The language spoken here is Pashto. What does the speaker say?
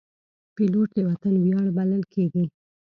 پیلوټ د وطن ویاړ بلل کېږي.